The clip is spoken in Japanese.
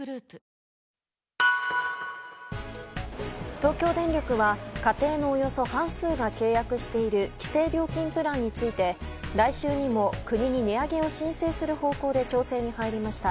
東京電力は家庭のおよそ半数が契約している規制料金プランについて来週にも国に値上げを申請する方向で調整に入りました。